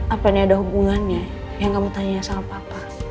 apa nih ada hubungannya yang kamu tanya sama papa